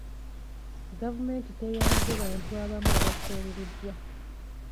Gavumenti teyambye bantu abamu abasenguddwa.